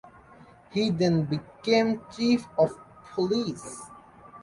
He then became Chief of Police.